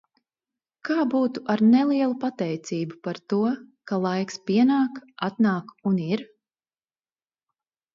Kā būtu ar nelielu pateicību par to, ka laiks pienāk, atnāk un ir?